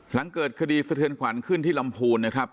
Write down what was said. หลังเกิดคดีสะเทือนขวัญขึ้นที่ลำพูนนะครับ